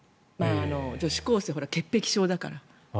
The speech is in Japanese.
女子高生、潔癖症だから。